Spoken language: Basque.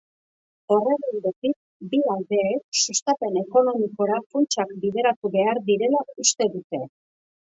Horren ildotik, bi aldeek sustapen ekonomikora funtsak bideratu behar direla uste dute.